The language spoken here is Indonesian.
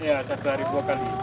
ya satu hari dua kali